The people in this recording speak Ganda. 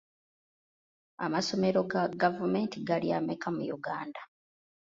Amasomero ga gavumenti gali ameka mu Uganda?